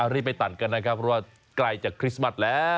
รีบไปตัดกันนะครับเพราะว่าไกลจากคริสต์มัสแล้ว